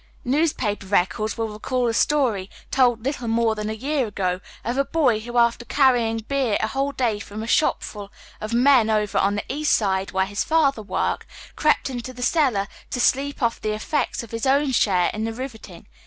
Newspaper readers will i ecall the story, told little more than a year ago, of a boy who after carrying beer a whole day £oi' a shopfnl of men over on the East Side, where his father worked, crept into the cel lar to sleep off the effects of his own share in the rioting.